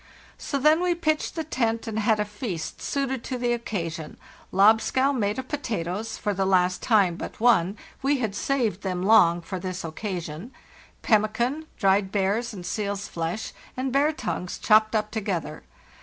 "So then we pitched the tent and had a feast suited to the occasion: lobscouse made of potatoes (for the last time but one; we had saved them long for this occasion), pemmican, dried bear's and seal's flesh, and bear tongues, chopped up together.